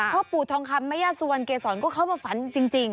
พ่อปู่ทองคำแม่ย่าสุวรรณเกษรก็เข้ามาฝันจริง